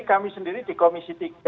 kami sendiri di komisi tiga